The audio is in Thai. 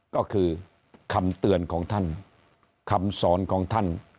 ก็คือคำเตือนของท่านคำสอนของท่าน